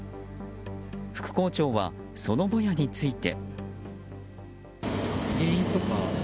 副校長は、そのボヤについて。